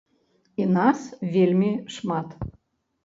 І нас вельмі шмат.